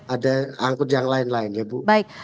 ada angkut yang lain lain ya bu